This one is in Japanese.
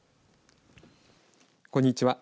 こんにちは。